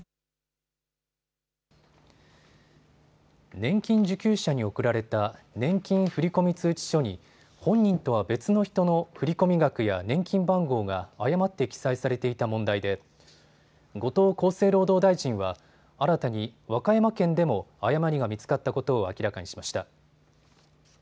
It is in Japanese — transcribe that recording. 年金受給者に送られた年金振込通知書に本人とは別の人の振込額や年金番号が誤って記載されていた問題で後藤厚生労働大臣は新たに和歌山県でも誤りが見つかったことを明らかにしました。